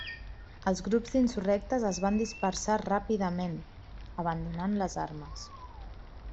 Els grups d'insurrectes es van dispersar ràpidament, abandonant les armes.